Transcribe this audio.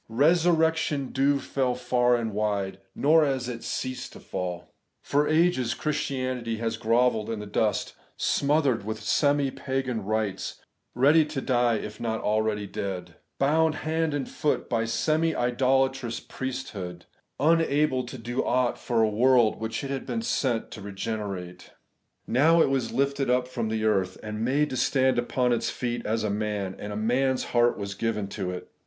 v resurrection dew fell far and wide ; nor has it yet ceased to fall For ages Ckristianity had grovelled in the dust, smothered with semi pagan rites; ready to die, if not abeady dead ; bound hand and foot by a semi idolatrous priesthood; unable to do aught for a world which it had been sent to regenerate. Now ' it was lifted up from the earth, and made to stand upon its feet as a man, and a man's heart was given to it.'